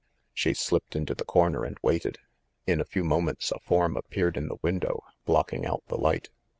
She slipped into the corner and waited. In a few moments a form appeared in the window, blocking out the light.